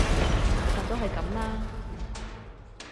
但都係噉啦